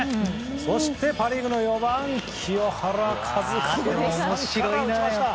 そして、パ・リーグの４番清原和博さんから打ちました。